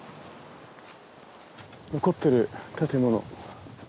残ってる建物。